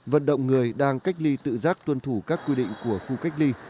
vận động người đang cách ly tự giác tuân thủ các quy định của khu cách ly